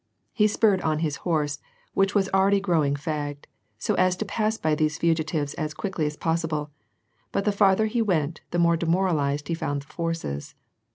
He spurred on his horse, which was already growing fagged, so as to pass by these fugitives as quickly, as possible, but the farther he went, the more demoralized he found the forces.